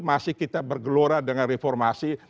masih kita bergelora dengan reformasi